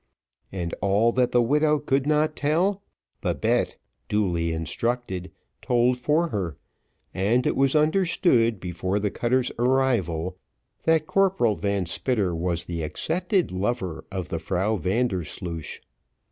And all that the widow could not tell, Babette, duly instructed, told for her, and it was understood, before the cutter's arrival, that Corporal Van Spitter was the accepted lover of the Frau Vandersloosh.